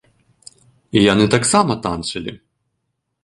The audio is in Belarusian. І яны таксама танчылі.